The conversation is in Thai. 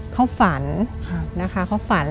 เขาฝันนะคะเขาฝัน